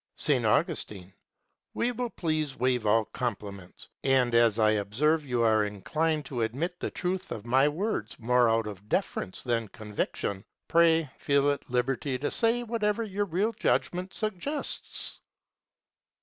S. Augustine. We will please waive all compliments. And as I observe you are inclined to admit the truth of my words more out of deference than conviction, pray feel at liberty to say whatever your real judgment suggests.